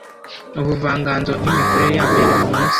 ubuvanganzo n’imikorere yabo ya buri munsi.